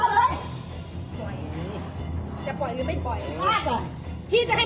อาหารที่สุดท้าย